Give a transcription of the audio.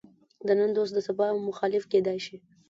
د نن دوست د سبا مخالف کېدای شي.